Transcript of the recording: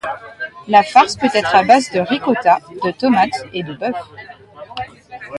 La farce peut être à base de ricotta, de tomate et de bœuf.